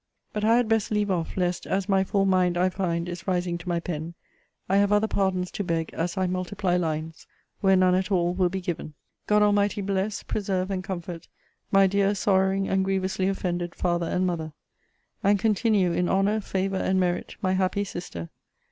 But I had best leave off, lest, as my full mind, I find, is rising to my pen, I have other pardons to beg as I multiply lines, where none at all will be given. God Almighty bless, preserve, and comfort my dear sorrowing and grievously offended father and mother! and continue in honour, favour, and merit, my happy sister!